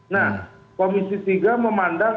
nah komisi tiga memandang